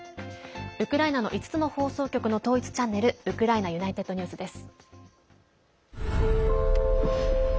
ウクライナの５つの放送局の統一チャンネルウクライナＵｎｉｔｅｄＮｅｗｓです。